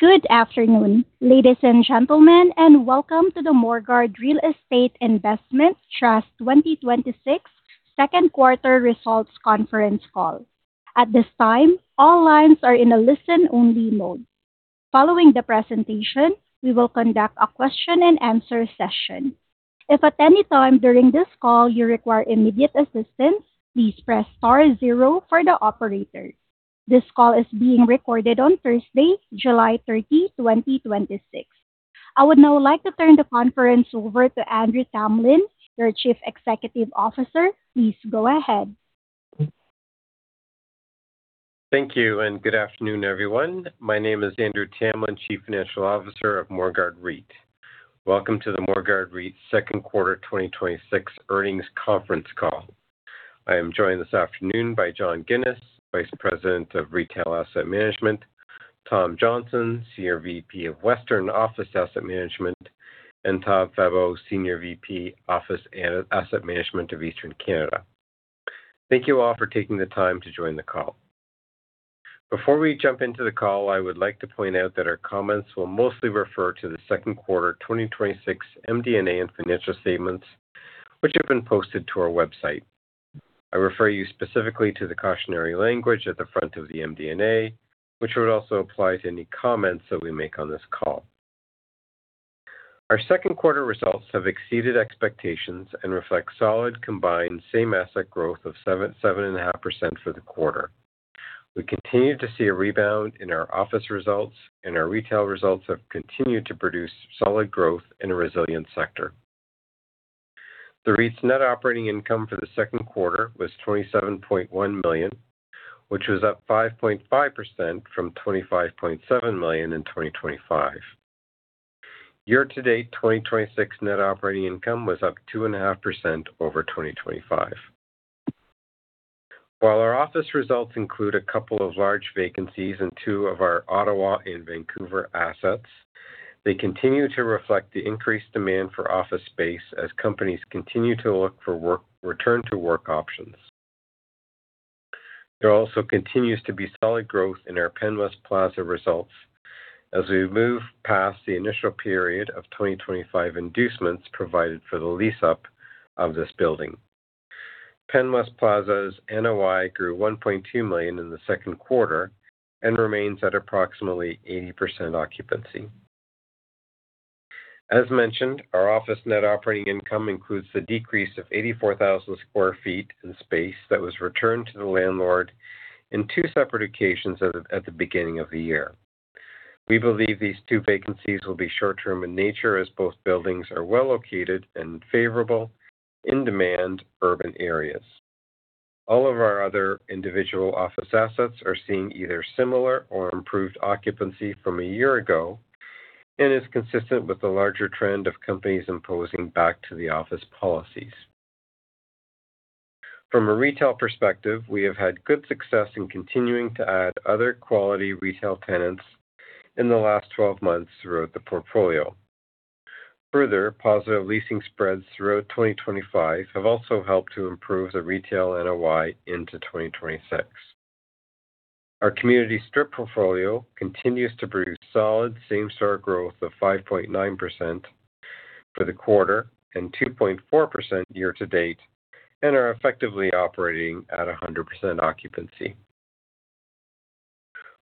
Good afternoon, ladies and gentlemen, and welcome to the Morguard Real Estate Investment Trust 2026 second quarter results conference call. At this time, all lines are in a listen-only mode. Following the presentation, we will conduct a question-and-answer session. If at any time during this call you require immediate assistance, please press star zero for the operator. This call is being recorded on Thursday, July 30, 2026. I would now like to turn the conference over to Andrew Tamlin, your Chief Executive Officer. Please go ahead. Thank you, and good afternoon, everyone. My name is Andrew Tamlin, Chief Financial Officer of Morguard REIT. Welcome to the Morguard REIT second quarter 2026 earnings conference call. I am joined this afternoon by John Ginis, Vice President of Retail Asset Management, Tom Johnston, Senior VP of Western Office Asset Management, and Todd Febbo, Senior VP Office and Asset Management of Eastern Canada. Thank you all for taking the time to join the call. Before we jump into the call, I would like to point out that our comments will mostly refer to the second quarter 2026 MD&A and financial statements, which have been posted to our website. I refer you specifically to the cautionary language at the front of the MD&A, which would also apply to any comments that we make on this call. Our second quarter results have exceeded expectations and reflect solid combined same asset growth of 7.5% for the quarter. Our retail results have continued to produce solid growth in a resilient sector. The REIT's net operating income for the second quarter was 27.1 million, which was up 5.5% from 25.7 million in 2025. Year-to-date 2026 net operating income was up 2.5% over 2025. While our office results include a couple of large vacancies in two of our Ottawa and Vancouver assets, they continue to reflect the increased demand for office space as companies continue to look for return-to-work options. There also continues to be solid growth in our Penn West Plaza results as we move past the initial period of 2025 inducements provided for the lease-up of this building. Penn West Plaza's NOI grew 1.2 million in the second quarter and remains at approximately 80% occupancy. As mentioned, our office net operating income includes the decrease of 84,000 sq ft in space that was returned to the landlord in two separate occasions at the beginning of the year. We believe these two vacancies will be short-term in nature, as both buildings are well located in favorable, in-demand urban areas. All of our other individual office assets are seeing either similar or improved occupancy from a year ago and is consistent with the larger trend of companies imposing back to the office policies. From a retail perspective, we have had good success in continuing to add other quality retail tenants in the last 12 months throughout the portfolio. Further positive leasing spreads throughout 2025 have also helped to improve the retail NOI into 2026. Our community strip portfolio continues to produce solid same store growth of 5.9% for the quarter and 2.4% year-to-date and are effectively operating at 100% occupancy.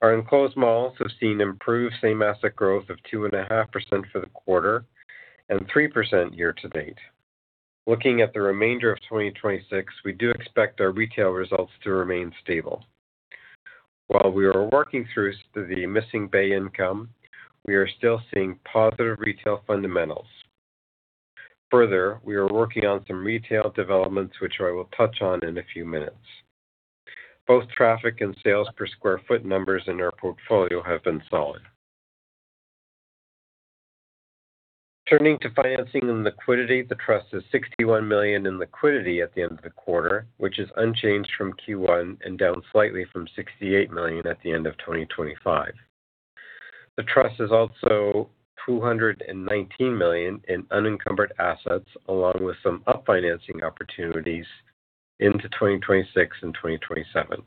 Our enclosed malls have seen improved same asset growth of 2.5% for the quarter and 3% year-to-date. Looking at the remainder of 2026, we do expect our retail results to remain stable. While we are working through the missing Bay income, we are still seeing positive retail fundamentals. Further, we are working on some retail developments, which I will touch on in a few minutes. Both traffic and sales per square foot numbers in our portfolio have been solid. Turning to financing and liquidity, the trust has 61 million in liquidity at the end of the quarter, which is unchanged from Q1 and down slightly from 68 million at the end of 2025. The trust also has 219 million in unencumbered assets, along with some up financing opportunities into 2026 and 2027.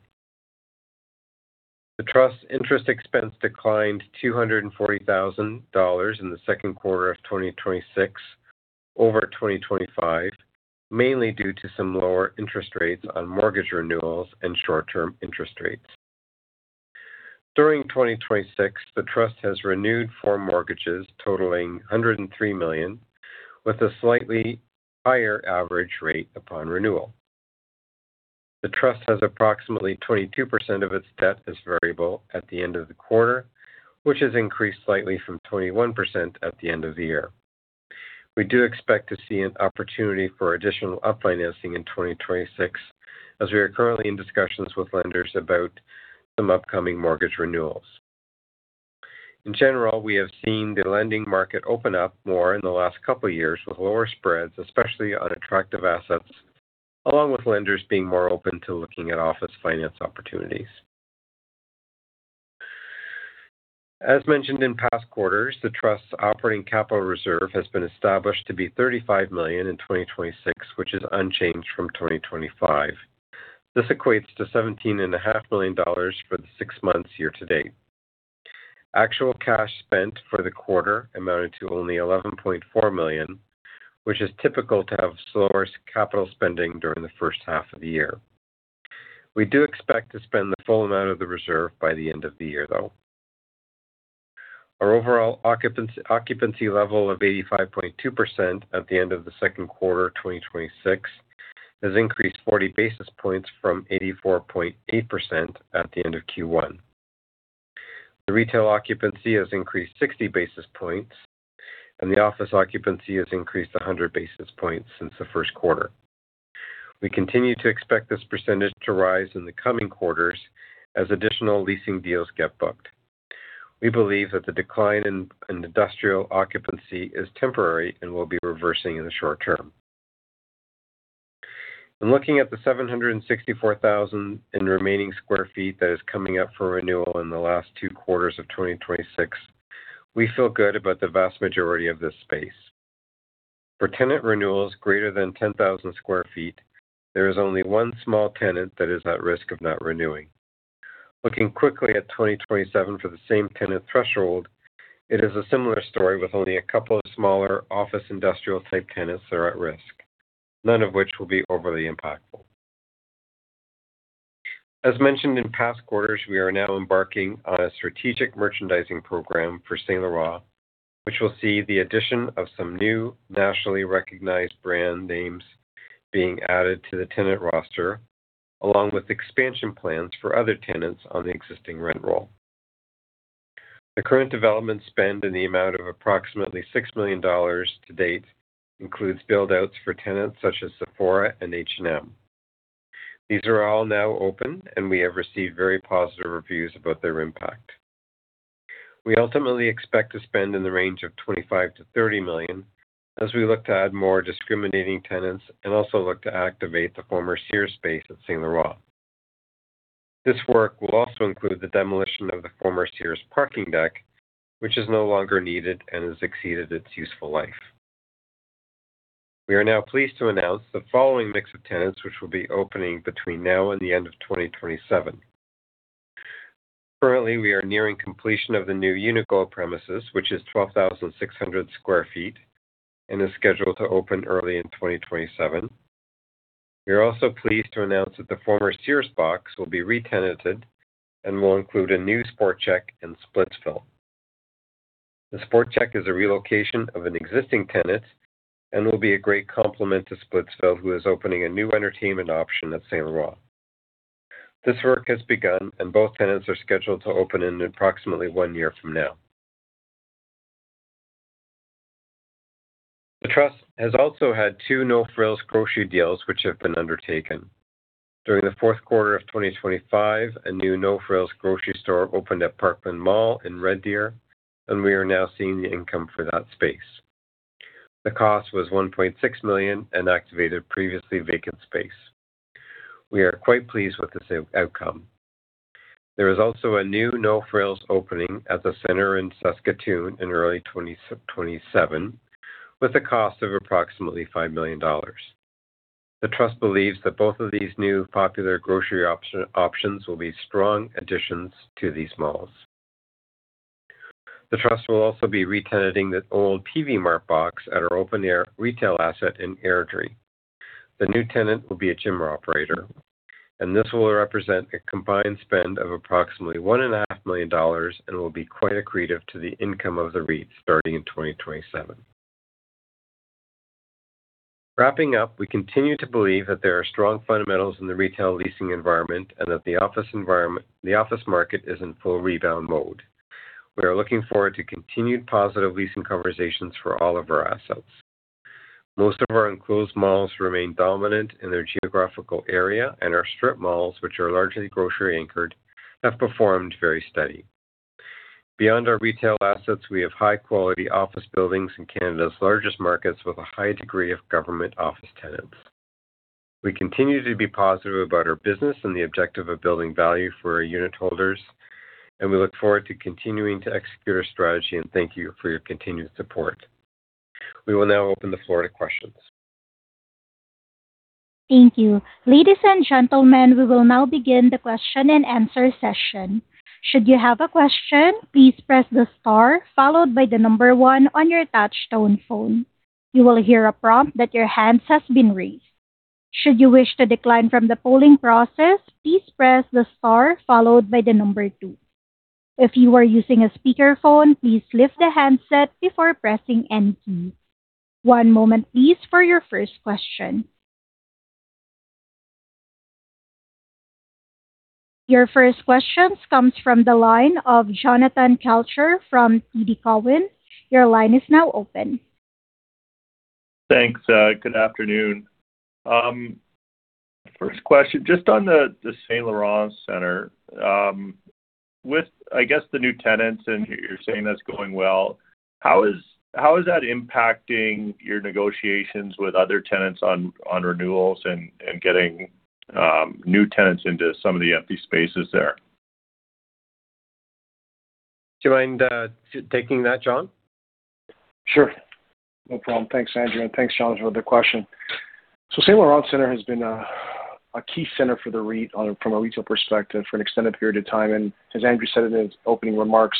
The trust's interest expense declined 240,000 dollars in the second quarter of 2026 over 2025, mainly due to some lower interest rates on mortgage renewals and short-term interest rates. During 2026, the trust has renewed four mortgages totaling 103 million, with a slightly higher average rate upon renewal. The trust has approximately 22% of its debt as variable at the end of the quarter, which has increased slightly from 21% at the end of the year. We do expect to see an opportunity for additional up financing in 2026, as we are currently in discussions with lenders about some upcoming mortgage renewals. In general, we have seen the lending market open up more in the last couple of years with lower spreads, especially on attractive assets, along with lenders being more open to looking at office finance opportunities. As mentioned in past quarters, the trust's operating capital reserve has been established to be 35 million in 2026, which is unchanged from 2025. This equates to 17.5 million dollars for the six months year-to-date. Actual cash spent for the quarter amounted to only 11.4 million, which is typical to have slower capital spending during the first half of the year. We do expect to spend the full amount of the reserve by the end of the year, though. Our overall occupancy level of 85.2% at the end of the second quarter 2026 has increased 40 basis points from 84.8% at the end of Q1. The retail occupancy has increased 60 basis points, and the office occupancy has increased 100 basis points since the first quarter. We continue to expect this percentage to rise in the coming quarters as additional leasing deals get booked. We believe that the decline in industrial occupancy is temporary and will be reversing in the short term. In looking at the 764,000 in remaining square feet that is coming up for renewal in the last two quarters of 2026, we feel good about the vast majority of this space. For tenant renewals greater than 10,000 square feet, there is only one small tenant that is at risk of not renewing. Looking quickly at 2027 for the same tenant threshold, it is a similar story with only a couple of smaller office industrial-type tenants that are at risk, none of which will be overly impactful. As mentioned in past quarters, we are now embarking on a strategic merchandising program for Saint Laurent, which will see the addition of some new nationally recognized brand names being added to the tenant roster, along with expansion plans for other tenants on the existing rent roll. The current development spend in the amount of approximately 6 million dollars to-date includes build-outs for tenants such as Sephora and H&M. These are all now open, and we have received very positive reviews about their impact. We ultimately expect to spend in the range of 25 million-30 million as we look to add more discriminating tenants and also look to activate the former Sears space at Saint Laurent. This work will also include the demolition of the former Sears parking deck, which is no longer needed and has exceeded its useful life. We are now pleased to announce the following mix of tenants, which will be opening between now and the end of 2027. Currently, we are nearing completion of the new Uniqlo premises, which is 12,600 sq ft and is scheduled to open early in 2027. We are also pleased to announce that the former Sears box will be re-tenanted and will include a new Sport Chek and Splitsville. The Sport Chek is a relocation of an existing tenant and will be a great complement to Splitsville, who is opening a new entertainment option at Saint Laurent. This work has begun, and both tenants are scheduled to open in approximately one year from now. The trust has also had two No Frills grocery deals which have been undertaken. During the fourth quarter of 2025, a new No Frills grocery store opened at Parkland Mall in Red Deer, and we are now seeing the income for that space. The cost was 1.6 million and activated previously vacant space. We are quite pleased with this outcome. There is also a new No Frills opening at the center in Saskatoon in early 2027 with a cost of approximately 5 million dollars. The trust believes that both of these new popular grocery options will be strong additions to these malls. The trust will also be re-tenanting the old Peavey Mart box at our open retail asset in Airdrie. The new tenant will be a gym operator, and this will represent a combined spend of approximately 1.5 million dollars and will be quite accretive to the income of the REIT starting in 2027. Wrapping up, we continue to believe that there are strong fundamentals in the retail leasing environment and that the office market is in full rebound mode. We are looking forward to continued positive leasing conversations for all of our assets. Most of our enclosed malls remain dominant in their geographical area, and our strip malls, which are largely grocery anchored, have performed very steady. Beyond our retail assets, we have high-quality office buildings in Canada's largest markets with a high degree of government office tenants. We continue to be positive about our business and the objective of building value for our unitholders, and we look forward to continuing to execute our strategy and thank you for your continued support. We will now open the floor to questions. Thank you. Ladies and gentlemen, we will now begin the question-and-answer session. Should you have a question, please press the star followed by the number one on your touchtone phone. You will hear a prompt that your hand has been raised. Should you wish to decline from the polling process, please press the star followed by the number two. If you are using a speakerphone, please lift the handset before pressing any key. One moment please for your first question. Your first question comes from the line of Jonathan Kelcher from TD Cowen. Your line is now open. Thanks. Good afternoon. First question, just on the Saint Laurent Center. With, I guess, the new tenants, and you're saying that's going well, how is that impacting your negotiations with other tenants on renewals and getting new tenants into some of the empty spaces there? Do you mind taking that, John? Sure. No problem. Thanks, Andrew, and thanks, Jonathan, for the question. Saint Laurent Center has been a key center from a retail perspective for an extended period of time. As Andrew said in his opening remarks,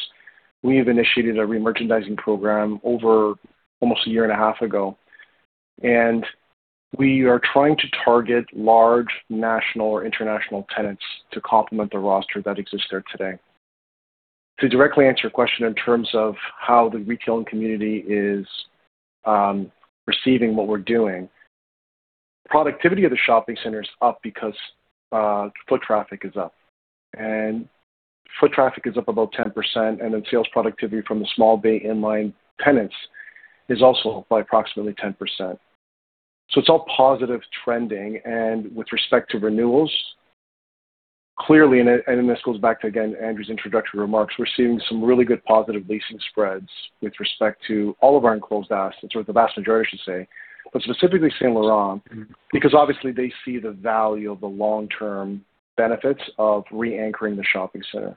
we have initiated a re-merchandising program over almost a year and a half ago. We are trying to target large national or international tenants to complement the roster that exists there today. To directly answer your question in terms of how the retailing community is receiving what we're doing, productivity of the shopping center is up because foot traffic is up. Foot traffic is up about 10%, and then sales productivity from the small bay inline tenants is also up by approximately 10%. It's all positive trending. With respect to renewals, clearly, and this goes back to, again, Andrew's introductory remarks, we're seeing some really good positive leasing spreads with respect to all of our enclosed assets, or the vast majority, I should say, but specifically Saint Laurent, because obviously they see the value of the long-term benefits of re-anchoring the shopping center.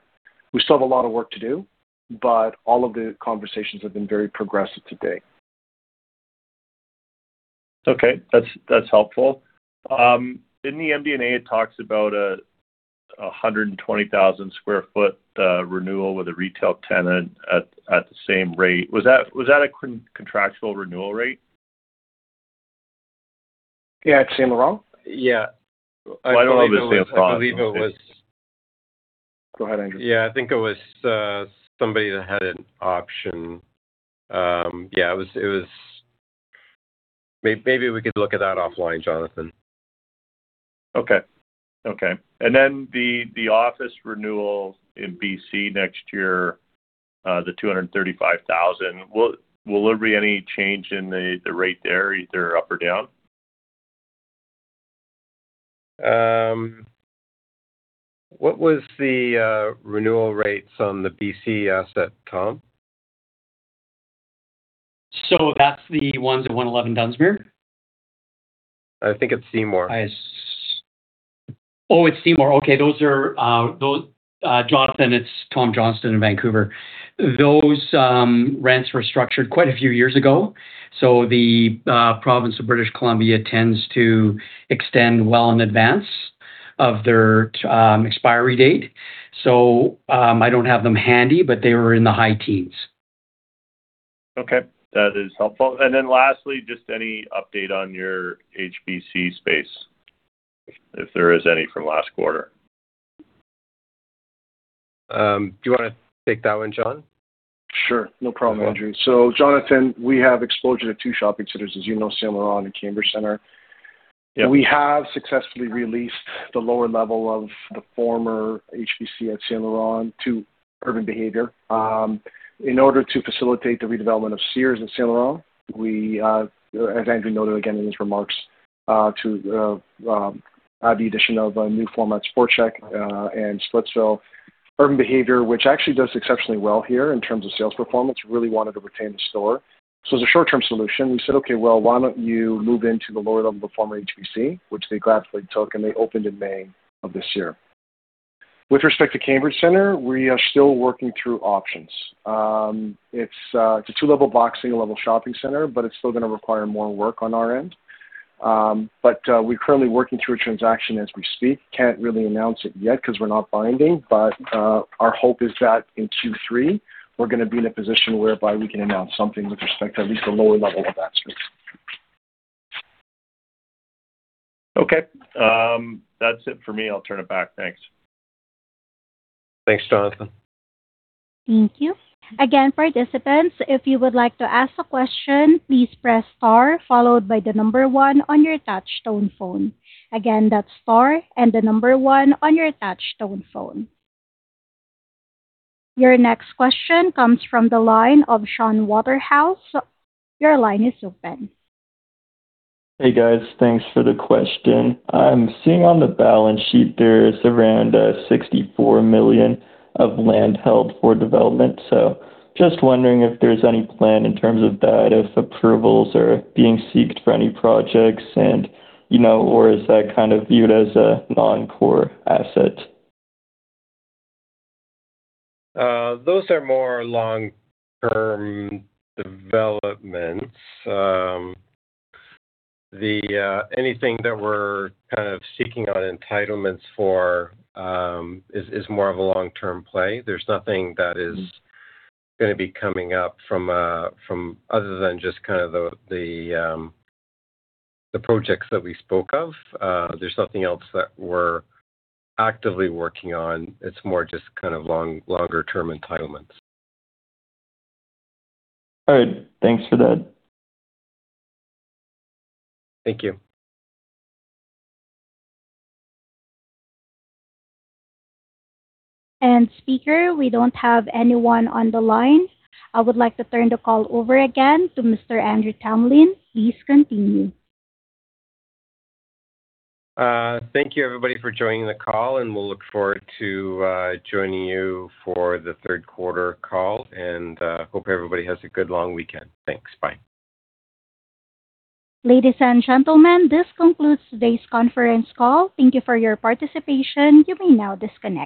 We still have a lot of work to do, but all of the conversations have been very progressive to date. Okay. That's helpful. In the MD&A, it talks about 120,000 sq ft renewal with a retail tenant at the same rate. Was that a contractual renewal rate? Yeah. At Saint Laurent? Yeah. Well, I don't know if it was. I believe it was. Go ahead, Andrew. Yeah. I think it was somebody that had an option. Yeah. Maybe we could look at that offline, Jonathan. Okay. Then the office renewal in BC next year, the 235,000. Will there be any change in the rate there, either up or down? What was the renewal rates on the BC asset, Tom? That's the ones at 111 Dunsmuir? I think it's Seymour. Oh, it's Seymour. Okay. Jonathan, it's Tom Johnston in Vancouver. Those rents were structured quite a few years ago, the province of British Columbia tends to extend well in advance of their expiry date. I don't have them handy, but they were in the high teens. Okay. That is helpful. Then lastly, just any update on your HBC space, if there is any from last quarter? Do you want to take that one, John? Sure. No problem, Andrew. Jonathan, we have exposure to two shopping centers, as you know, Saint Laurent and Cambridge Center. Yeah. We have successfully re-leased the lower level of the former HBC at Saint Laurent to Urban Behavior. In order to facilitate the redevelopment of Sears at Saint Laurent, as Andrew noted again in his remarks to the addition of a new format, Sport Chek and Splitsville, Urban Behavior, which actually does exceptionally well here in terms of sales performance, really wanted to retain the store. As a short-term solution, we said, "Okay, well, why don't you move into the lower level of the former HBC?" Which they gladly took, and they opened in May of this year. With respect to Cambridge Center, we are still working through options. It's a two-level box, single-level shopping center, but it's still going to require more work on our end. We're currently working through a transaction as we speak. Can't really announce it yet because we're not binding. Our hope is that in Q3, we're going to be in a position whereby we can announce something with respect to at least the lower level of that space. Okay. That's it for me. I'll turn it back. Thanks. Thanks, Jonathan. Thank you. Again, participants, if you would like to ask a question, please press star followed by the number one on your touch tone phone. Again, that's star and the number one on your touch tone phone. Your next question comes from the line of Shaun Waterhouse. Your line is open. Hey, guys. Thanks for the question. I'm seeing on the balance sheet there's around 64 million of land held for development. Just wondering if there's any plan in terms of that, if approvals are being sought for any projects and, or is that kind of viewed as a non-core asset? Those are more long-term developments. Anything that we're kind of seeking out entitlements for is more of a long-term play. There's nothing that is going to be coming up from, other than just kind of the projects that we spoke of. There's nothing else that we're actively working on. It's more just kind of longer-term entitlements. All right. Thanks for that. Thank you. Speaker, we don't have anyone on the line. I would like to turn the call over again to Mr. Andrew Tamlin. Please continue. Thank you everybody for joining the call. We'll look forward to joining you for the third quarter call. Hope everybody has a good long weekend. Thanks. Bye. Ladies and gentlemen, this concludes today's conference call. Thank you for your participation. You may now disconnect.